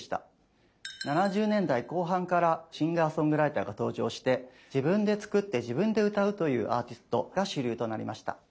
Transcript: ７０年代後半からシンガーソングライターが登場して自分で作って自分で歌うというアーティストが主流となりました。